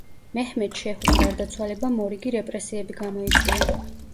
მეჰმედ შეჰუს გარდაცვალებამ მორიგი რეპრესიები გამოიწვია.